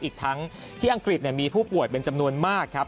อีกทั้งที่อังกฤษมีผู้ป่วยเป็นจำนวนมากครับ